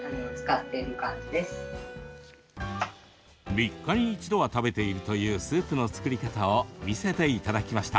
３日に一度は食べているというスープの作り方を見せていただきました。